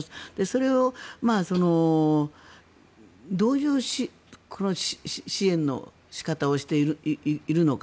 それをどういう支援の仕方をしているのか。